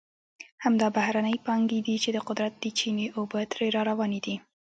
همدا بهرنۍ پانګې دي چې د قدرت د چینې اوبه ترې را روانې دي.